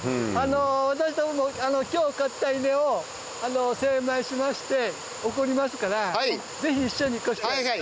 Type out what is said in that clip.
私どもも今日刈った稲を精米しまして送りますからぜひ一緒に。